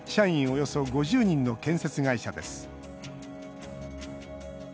およそ５０人の建設会社です。